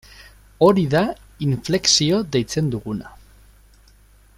Hori da inflexio deitzen duguna.